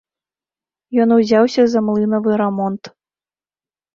Ён узяўся за млынавы рамонт.